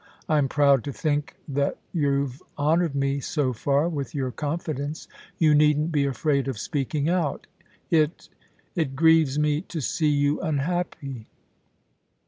I'm proud to think that you've honoured me so far with your confidence. You needn't be afiraid of speaking out ; it — it grieves me to see you un happy.'